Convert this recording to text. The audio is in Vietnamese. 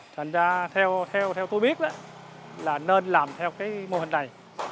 thành ra theo tôi biết là nên làm theo cái mô hình này